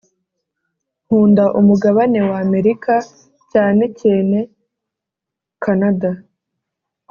Nkunda umugabane w’amerika cyane cyene Canada